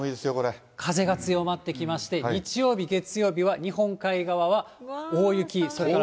風が強まってきまして、日曜日、月曜日は日本海側は大雪、それから。